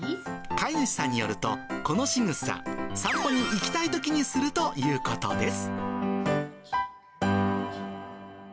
飼い主さんによると、このしぐさ、散歩に行きたいときにするということです。